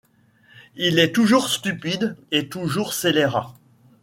Il est-toujours stupide et toujours scélérat.